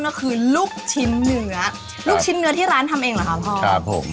ก็คือลูกชิ้นเนื้อลูกชิ้นเนื้อที่ร้านทำเองเหรอคะคุณพ่อครับผม